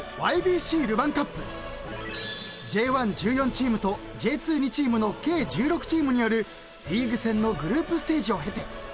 ［Ｊ１１４チームとＪ２２チームの計１６チームによるリーグ戦のグループステージを経て］